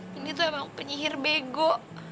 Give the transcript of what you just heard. ini tuh emang penyihir bego